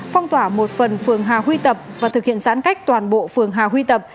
phong tỏa một phần phường hà huy tập và thực hiện giãn cách toàn bộ phường hà huy tập